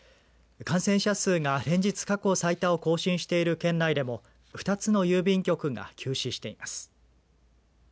感染者数が連日過去最高を更新している県内でも２つの郵便局が休止しています。